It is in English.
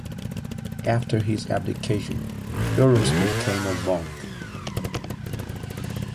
After his abdication, Thoros became a monk.